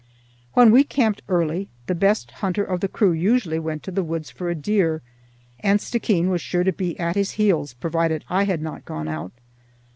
When we camped early, the best hunter of the crew usually went to the woods for a deer, and Stickeen was sure to be at his heels, provided I had not gone out.